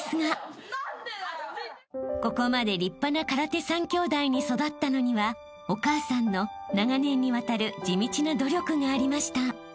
［ここまで立派な空手３きょうだいに育ったのにはお母さんの長年にわたる地道な努力がありました］